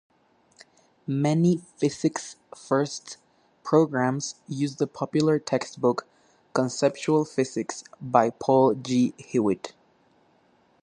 Many Physics First programs use the popular textbook "Conceptual Physics" by Paul G. Hewitt.